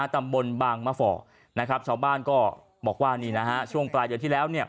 ตำบลบางมฝชาวบ้านก็บอกว่าช่วงปลายเดือนที่แล้ว